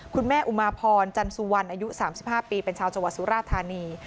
คุณแม่อุมาพรจันสุวรรณอายุ๓๕ปีเป็นชาวจังหวัดสุราธานี